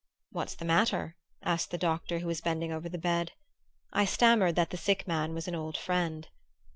"What's the matter?" asked the doctor who was bending over the bed. I stammered that the sick man was an old friend.